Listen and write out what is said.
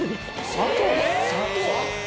砂糖！